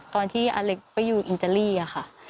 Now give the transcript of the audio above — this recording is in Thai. ตอนที่อาเล็กไปอยู่อินเตอรี่อะค่ะ